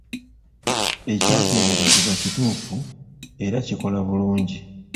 Ekyateeberezebwa kituufu era kikola bulungi.